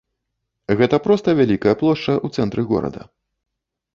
Гэта проста вялікая плошча ў цэнтры горада.